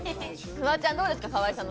フワちゃんどうですか？